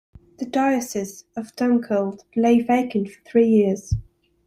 The diocese of Dunkeld lay vacant for three years.